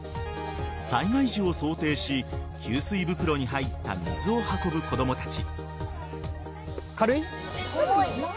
災害時を想定し給水袋に入った水を運ぶ子供たち。